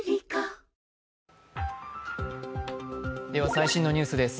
最新のニュースです。